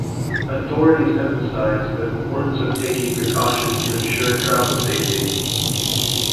Authorities emphasize the importance of taking precautions to ensure travel safety.